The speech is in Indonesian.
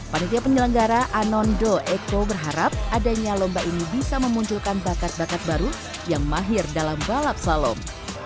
panitia penyelenggara anondo eko berharap adanya lomba ini bisa memunculkan bakat bakat baru yang mahir dalam balap salom